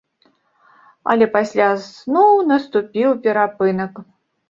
Але пасля зноў наступіў перапынак.